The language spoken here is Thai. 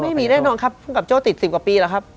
ไม่มีแน่นอนครับพระองค์กับโจติก๑๐กว่าปีแหละครับ